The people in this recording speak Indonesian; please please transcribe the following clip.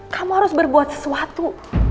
kamu harus berbuat sesuatu